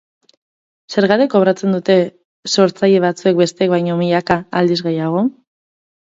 Zergatik kobratzen dute sortzaile batzuek bestek baino milaka aldiz gehiago?